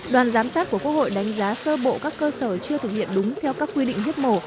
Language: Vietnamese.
đoàn giám sát của quốc hội đánh giá sơ bộ các cơ sở chưa thực hiện đúng theo các quy định giết mổ